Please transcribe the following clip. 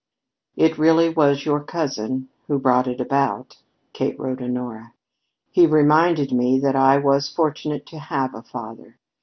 "It really was your cousin who brought it about," Kate wrote Honora. "He reminded me that I was fortunate to have a father.